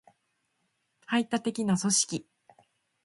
排他的な組織